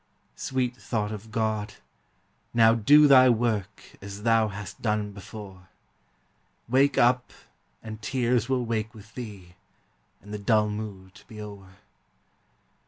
Sweet thought of God! now do thy work As thou hast done before; Wake up, and tears will wake with thee, And the dull mood be o'er.